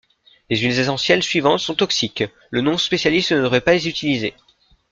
Les huiles essentielles suivantes sont toxiques, le non-spécialiste ne devrait pas les utiliser.